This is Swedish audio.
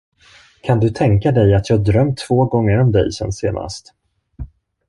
Kan du tänka dig, att jag drömt två gånger om dig sedan senast.